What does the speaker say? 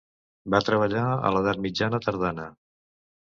Va treballar a l'edat mitjana tardana.